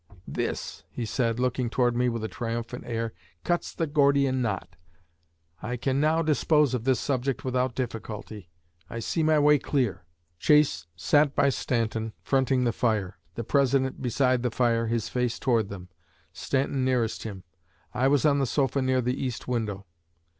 'This,' said he, looking toward me with a triumphant air, 'cuts the Gordian Knot. I can now dispose of this subject without difficulty, I see my way clear.' Chase sat by Stanton, fronting the fire; the President beside the fire, his face toward them, Stanton nearest him. I was on the sofa, near the east window.